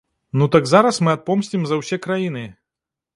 Ну так зараз мы адпомсцім за ўсе краіны.